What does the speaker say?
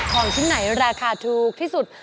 ของชิ้นไหนราคาถูกที่สุด